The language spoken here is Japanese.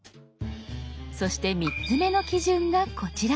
そして３つ目の基準がこちら。